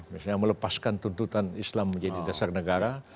misalnya melepaskan tuntutan islam menjadi dasar negara